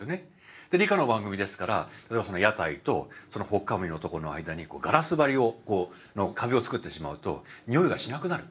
で理科の番組ですからその屋台とその頬かむりの男の間にガラス張りの壁を作ってしまうと匂いがしなくなる。